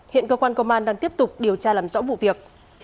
hiện cơ quan công an đang tiếp tục điều tra làm rõ vụ việc